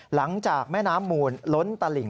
หลังจากแม่น้ำมูลล้นตลิ่ง